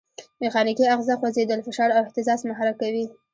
میخانیکي آخذه خوځېدل، فشار او اهتزاز محرک کوي.